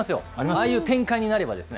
ああいう展開になればですね。